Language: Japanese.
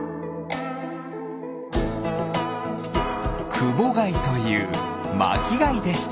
クボガイというまきがいでした。